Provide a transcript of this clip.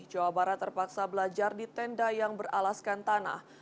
jawa barat terpaksa belajar di tenda yang beralaskan tanah